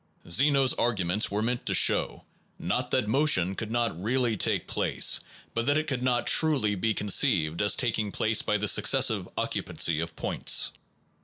1 Zeno s argu ments were meant to show, not that motion could not really take place, but that it could not truly be conceived as taking place by the successive occupancy of points.